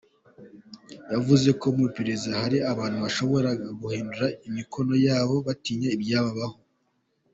Yavuze ko mu iperereza hari abantu bashoboraga guhindura imikono yabo batinya ibyababaho.